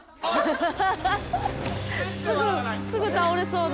すぐ倒れそうな。